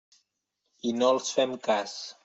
I no els fem cas.